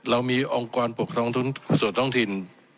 เรามีองค์กวารปกท้องส่วนท้องถิ่น